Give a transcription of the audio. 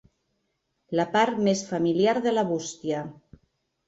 La part més familiar de la bústia.